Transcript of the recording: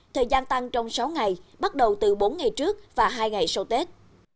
thời gian tăng trong sáu ngày bắt đầu từ bốn ngày trước và hai ngày sau tết